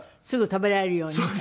すぐ食べられるように？